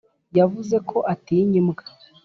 yavuze ko atinya imbwa